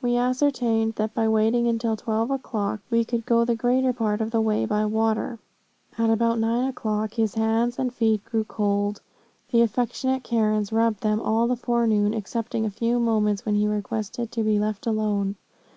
We ascertained that by waiting until twelve o'clock, we could go the greater part of the way by water. "At about nine o'clock, his hands and feet grew cold, and the affectionate Karens rubbed them all the forenoon, excepting a few moments when he requested to be left alone.